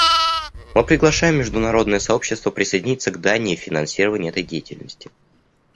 Мы приглашаем международное сообщество присоединиться к Дании в финансировании этой деятельности.